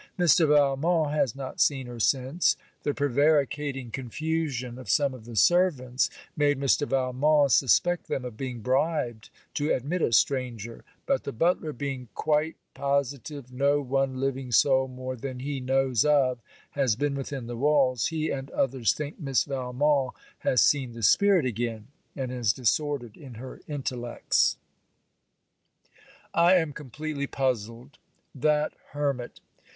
Mr. Valmont has not seen her since. The prevaricating confusion of some of the servants made Mr. Valmont suspect them of being bribed to admit a stranger; but the butler, being quite positive no one living soul more than he knows of has been within the walls, he and others think Miss Valmont has seen the spirit again and is disordered in her intellects. I am completely puzzled. That hermit!